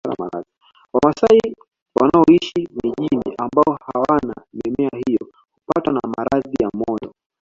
Wamasai wanaoishi mijini ambao hawana mimea hiyo hupatwa na maradhi ya moyo